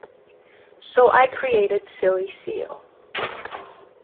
So I created "Silly Seal".